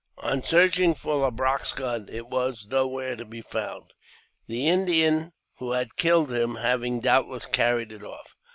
On searching for Le Brache 's gun, it was nowhere to be found, the Indian who had killed him having doubtless carried it off.